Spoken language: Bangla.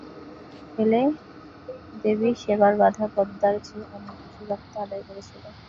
ফলে, দেবী সেবার বাঁধা বরাদ্দর চেয়ে অনেক বেশি রক্ত আদায় করেছিল।